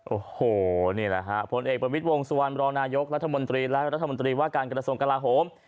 โอ้โหนี่แหละฮะผลเอกประวิทย์วงสุวรรณรองนายกรัฐมนตรีและรัฐมนตรีว่าการกระทรวงกลาโหม